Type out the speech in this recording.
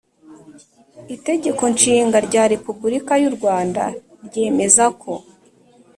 itegeko nshinga rya republika y’u rwanda ryemeza ko,